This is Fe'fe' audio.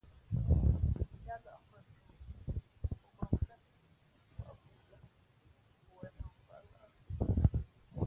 Yáá lάʼ mbᾱ ntūmbhi pō bᾱ mfén pʉnók pάʼ pú lh́ pō ghěn mᾱmfάʼ lάʼ pαngen.